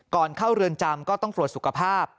ก่อนเข้าเรือนจำก็ต้องตรวจสุขภาพ